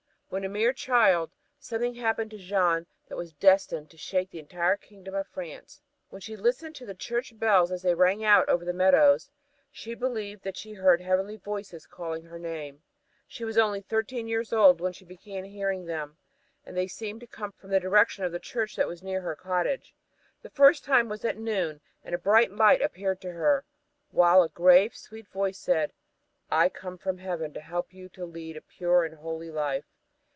When a mere child, something happened to Jeanne that was destined to shake the entire Kingdom of France. When she listened to the church bells as they rang out over the meadows, she believed that she heard heavenly voices calling her name. She was only thirteen years old when she began hearing them and they seemed to come from the direction of the church that was near her cottage. The first time was at noon and a bright light appeared to her, while a grave, sweet voice said, "I come from Heaven to help you to lead a pure and holy life.